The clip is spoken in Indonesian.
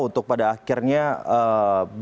untuk pada akhirnya ee